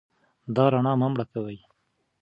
دا رڼا مه مړه کوئ.